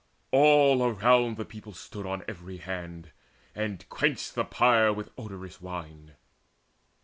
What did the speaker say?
All around The people stood on every hand, and quenched The pyre with odorous wine.